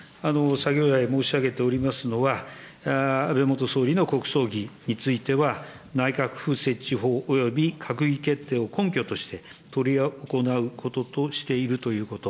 先ほど来申し上げておりますのは、安倍元総理の国葬儀については、内閣府設置法および閣議決定を根拠として、執り行うこととしているということ。